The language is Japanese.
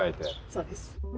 そうです。